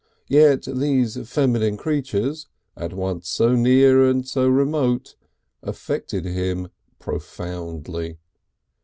Yet these feminine creatures, at once so near and so remote, affected him profoundly.